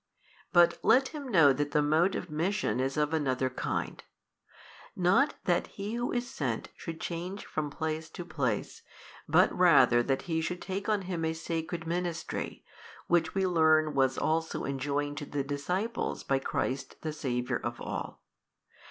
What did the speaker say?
but let him know that the mode of mission is of another kind: not that He Who is sent should change from place to place but rather that He should take on Him a sacred ministry, which we learn was also enjoined to the disciples by Christ the Saviour of all.